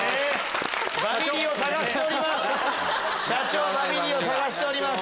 社長バミリを探しております。